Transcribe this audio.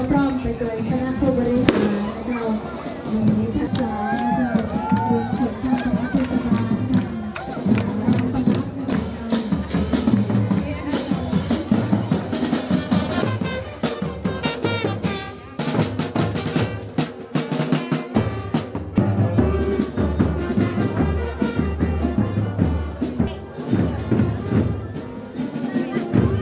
พร่อมไปตัวเองข้างหน้าครัวบริษัทนะจ๊ะนี่นะจ๊ะคุณผู้ชมของอธิษฐา